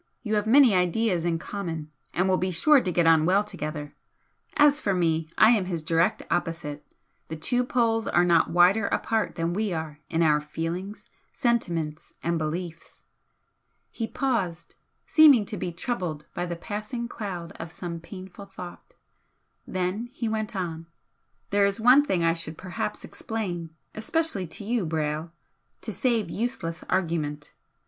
You have many ideas in common and will be sure to get on well together. As for me, I am his direct opposite, the two poles are not wider apart than we are in our feelings, sentiments and beliefs." He paused, seeming to be troubled by the passing cloud of some painful thought then he went on "There is one thing I should perhaps explain, especially to you, Brayle, to save useless argument.